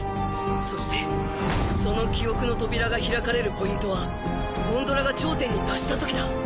そしてその記憶の扉が開かれるポイントはゴンドラが頂点に達した時だ